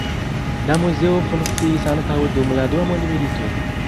La muzeo funkciis ankaŭ dum la dua mondmilito.